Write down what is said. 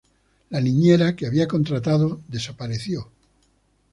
La niñera que había contratado desapareció.